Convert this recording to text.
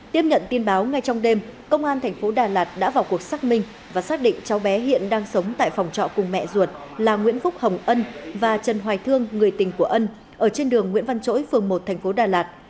tiếp nhận tin báo ngay trong đêm công an thành phố đà lạt đã vào cuộc xác minh và xác định cháu bé hiện đang sống tại phòng trọ cùng mẹ ruột là nguyễn phúc hồng ân và trần hoài thương người tình của ân ở trên đường nguyễn văn trỗi phường một thành phố đà lạt